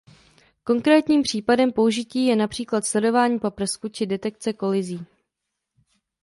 Konkrétním případem použití je například sledování paprsku či detekce kolizí.